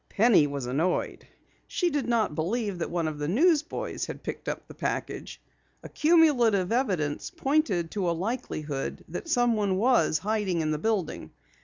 Penny was annoyed. She did not believe that one of the newsboys had picked up the package. Accumulative evidence pointed to a likelihood that someone was hiding in the building.